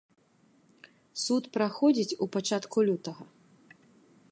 Суд праходзіць у пачатку лютага.